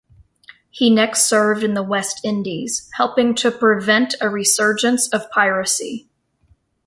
He next served in the West Indies, helping to prevent a resurgence of piracy.